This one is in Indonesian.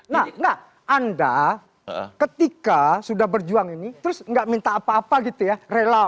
nah anda ketika sudah berjuang ini terus nggak minta apa apa gitu ya